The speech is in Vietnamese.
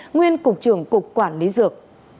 nguyên cục trưởng cục quản lý dược